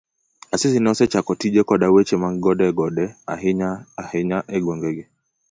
Asisi ne osechako tije koda weche mag gode ahinya hinya e gweng' gi.